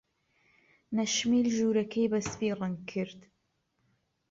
نەشمیل ژوورەکەی بە سپی ڕەنگ کرد.